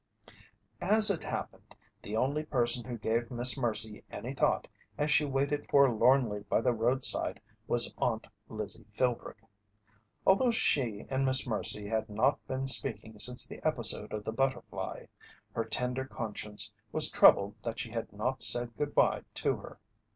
As it happened, the only person who gave Miss Mercy any thought as she waited forlornly by the roadside was Aunt Lizzie Philbrick. Although she and Miss Mercy had not been speaking since the episode of the butterfly, her tender conscience was troubled that she had not said good bye to her.